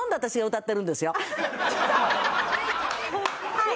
はい。